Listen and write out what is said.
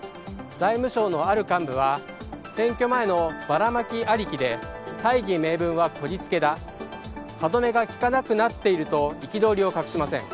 財務省のある幹部は、選挙前のバラマキありきで大義名分はこじつけだ歯止めがきかなくなっていると憤りを隠しません。